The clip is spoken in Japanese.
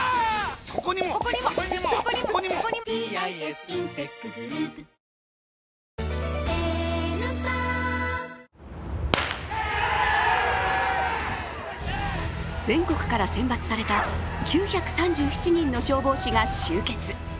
サントリー「金麦」全国から選抜された９３７人の消防士が集結。